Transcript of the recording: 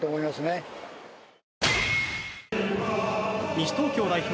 西東京代表